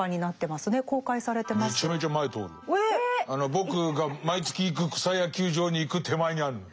僕が毎月行く草野球場に行く手前にあるの。